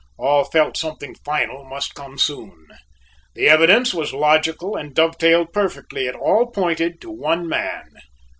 All felt something final must come soon. The evidence was logical and dovetailed perfectly; it all pointed to one man.